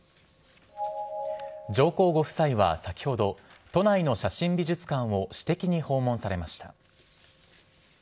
上皇ご夫妻は先ほど、都内の写真美術館を私的に訪問されました。